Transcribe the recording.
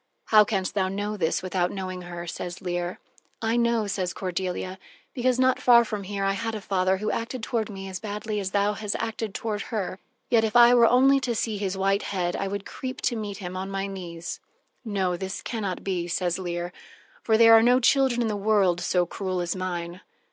"How canst thou know this without knowing her?" says Leir. "I know," says Cordelia, "because not far from here, I had a father who acted toward me as badly as thou hast acted toward her, yet, if I were only to see his white head, I would creep to meet him on my knees." "No, this can not be," says Leir, "for there are no children in the world so cruel as mine."